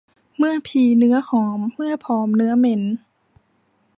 เมื่อพีเนื้อหอม เมื่อผอมเนื้อเหม็น